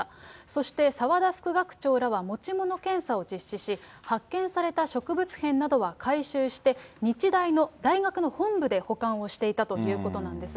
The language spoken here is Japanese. そして澤田副学長らは持ち物検査を実施し、発見された植物片などは回収して、日大の大学の本部で保管をしていたということなんです。